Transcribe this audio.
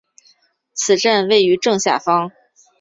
此站位于正下方。